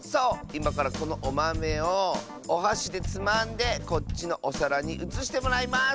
いまからこのおまめをおはしでつまんでこっちのおさらにうつしてもらいます！